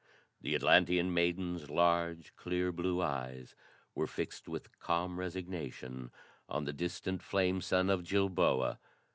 The Atlantean maiden's large, clear blue eyes were fixed with calm resignation on the distant flame sun of Jilboa.